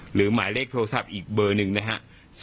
หมายเลขโทรศัพท์อีกเบอร์หนึ่งนะฮะ